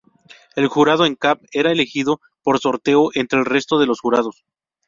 El Jurado en Cap era elegido por sorteo entre el resto de los Jurados.